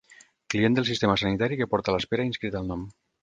Client del sistema sanitari que porta l'espera inscrita al nom.